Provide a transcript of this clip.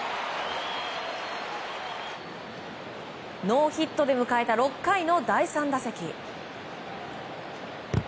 ノーヒットで迎えた６回の第３打席。